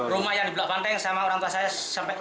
rumah yang di belakang pantai yang sama orang tua saya